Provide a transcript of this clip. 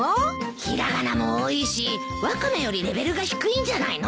平仮名も多いしワカメよりレベルが低いんじゃないの？